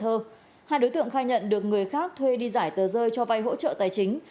hai đối tượng khai nhận được người khác thuê đi giải tờ rơi cho vai hỗ trợ tài chính